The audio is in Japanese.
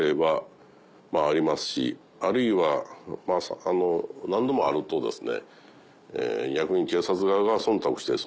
あるいは何度もあるとですね。